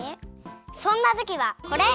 そんなときはこれ！